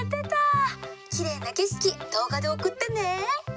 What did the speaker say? きれいなけしきどうがでおくってね。